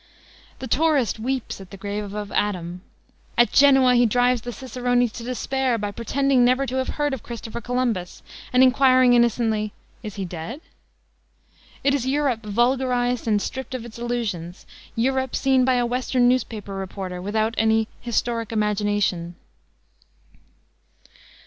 The tourist weeps at the grave of Adam. At Genoa he drives the cicerone to despair by pretending never to have heard of Christopher Columbus, and inquiring innocently, "Is he dead?" It is Europe vulgarized and stripped of its illusions Europe seen by a Western newspaper reporter without any "historic imagination."